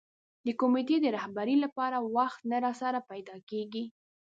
د کمېټې د رهبرۍ لپاره وخت نه راسره پیدا کېږي.